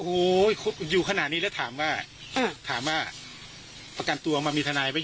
โอ้โหอยู่ขนาดนี้แล้วถามว่าถามว่าประกันตัวออกมามีทนายไหม